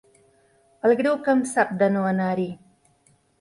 El greu que em sap, de no anar-hi!